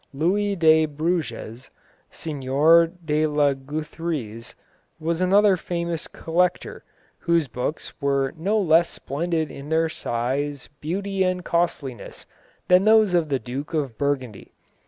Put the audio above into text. Louis de Bruges, Seigneur de la Gruthyse, was another famous collector, whose books were no less splendid in their size, beauty and costliness, than those of the Duke of Burgundy.